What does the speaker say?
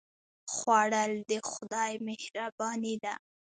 خوړل د خدای مهرباني ده